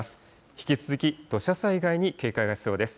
引き続き土砂災害に警戒が必要です。